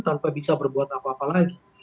tanpa bisa berbuat apa apa lagi